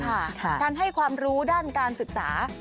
การให้ความรู้ด้านการศึกษา